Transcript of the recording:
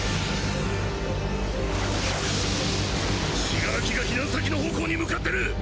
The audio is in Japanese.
死柄木が避難先の方向に向かってる！